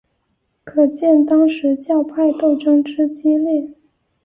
可见当时教派斗争之激烈。